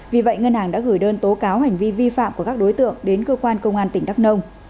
vì vậy ngân hàng đã gửi đơn tố cáo hành vi vi phạm của các đối tượng đến cơ quan công an tỉnh đắk nông